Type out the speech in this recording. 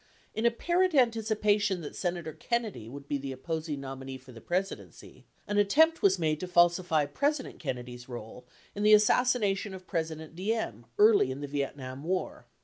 In apparent anticipation that Senator Kennedy would be the opposing nominee for the Presidency, an attempt was made to falsify President Kennedy's role in the assassination of President Diem early in the Vietnam war.